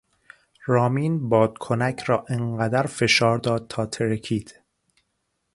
رامین بادکنک را آنقدر فشار داد تا ترکید.